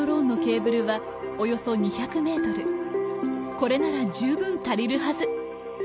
これなら十分足りるはず！